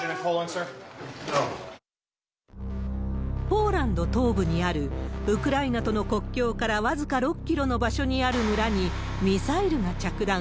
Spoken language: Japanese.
ポーランド東部にある、ウクライナとの国境から僅か６キロの場所にある村にミサイルが着弾。